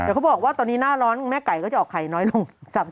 แต่เขาบอกว่าตอนนี้หน้าร้อนแม่ไก่ก็จะออกไข่น้อยลง